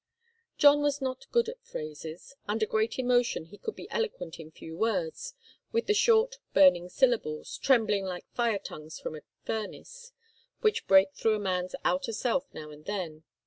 John was not good at phrases. Under great emotion he could be eloquent in few words with the short, burning syllables, trembling like fire tongues from a furnace, which break through a man's outer self now and then.